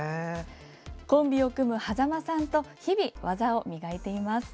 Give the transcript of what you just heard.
コンビを組む間さんと日々、技を磨いています。